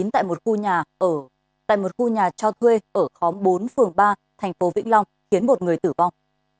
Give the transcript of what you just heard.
tại một khu nhà cho thuê ở khóm bốn phường ba thành phố vĩnh long khiến một người tử vong